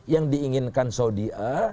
yang diinginkan saudi a